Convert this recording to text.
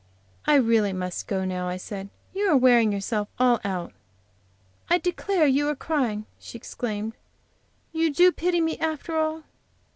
"I really must go now," I said. "You are wearing yourself all out." "I declare you are crying," she exclaimed. "You do pity me after all."